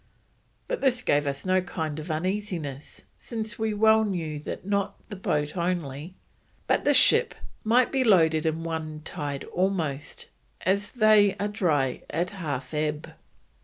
But this gave us no kind of uneasiness, since we well knew that not the boat only, but the ship might be loaded in one tide almost, as they are dry at half ebb."